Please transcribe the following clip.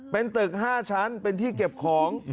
เป็นตึก๕ชั้นเป็นที่เก็บของ